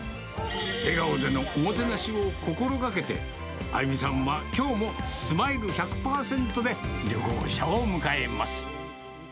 笑顔でのおもてなしを心がけて、歩実さんはきょうもスマイル１００％で、旅行者を迎えます。